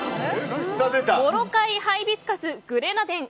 モロカイ・ハイビスカス・グレナデン。